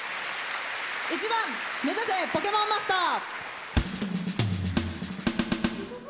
１番「めざせポケモンマスター」。